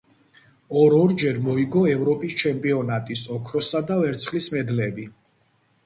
ორ-ორჯერ მოიგო ევროპის ჩემპიონატის ოქროსა და ვერცხლის მედლები.